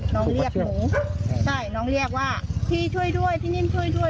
น้องเรียกหนูใช่น้องเรียกว่าพี่ช่วยด้วยพี่นิ่มช่วยด้วย